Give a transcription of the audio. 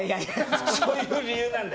そういう理由なんだよ。